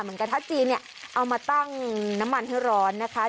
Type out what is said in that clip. กระทัดจีนเนี่ยเอามาตั้งน้ำมันให้ร้อนนะคะ